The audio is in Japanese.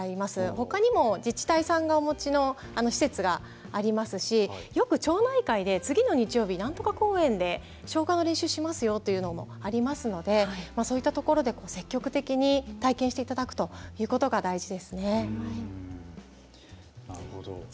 他にも、自治体さんがお持ちの施設がありますし、よく町内会で次の日曜日、なんとか公園で消火の練習をしますよというのがありますのでそういったところで積極的に体験していただくのが大事ですね。